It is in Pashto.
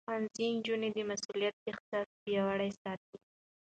ښوونځی نجونې د مسؤليت احساس پياوړې ساتي.